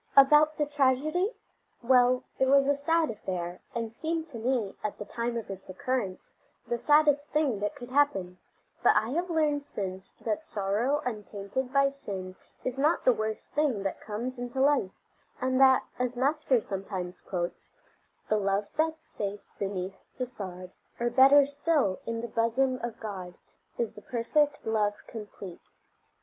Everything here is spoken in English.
About the tragedy? Well, it was a sad affair, and seemed to me, at the time of its occurrence, the saddest thing that could happen; but I have learned since that sorrow untainted by sin is not the worst thing that comes into life, and that as Master sometimes quotes: "The love that's safe beneath the sod, Or better still, in the bosom of God, Is the perfect love complete."